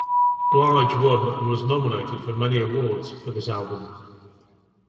Blige won and was nominated for many awards for this album.